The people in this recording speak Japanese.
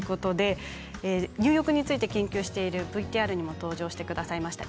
入浴について研究してＶＴＲに登場してくださいました